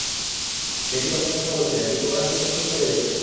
নেতিবাচক কথা বলছি না, কিন্তু ওরা সেই কখন চলে গেছে।